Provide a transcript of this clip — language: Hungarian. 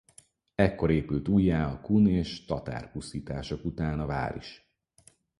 Ekkor épült újjá a kun és tatár pusztítások után a vár is.